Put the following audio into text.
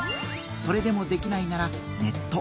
それでもできないならネット。